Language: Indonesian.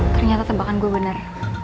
ternyata tebakan gue bener